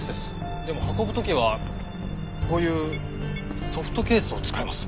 でも運ぶ時はこういうソフトケースを使います。